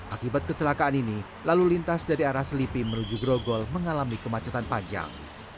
akibat kecelakaan ini lalu lintas dari arah selipi menuju grogol mengalami kemacetan panjang